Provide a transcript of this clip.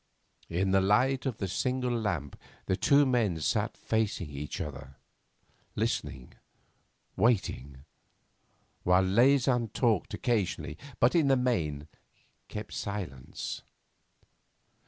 In the light of the single lamp the two men sat facing each other, listening, waiting, while Leysin talked occasionally, but in the main kept silence.